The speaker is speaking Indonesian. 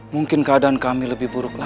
mungkin keadaan kami lebih buruk lagi